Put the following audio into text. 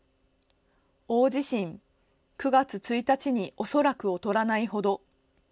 大地震、９月１日に恐らく劣らないほど。